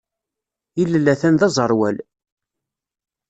Ilel atan d aẓerwal.